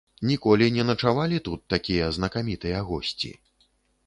Ніколі не начавалі тут такія знакамітыя госці.